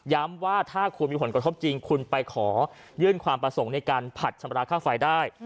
ว่าถ้าคุณมีผลกระทบจริงคุณไปขอยื่นความประสงค์ในการผัดชำระค่าไฟได้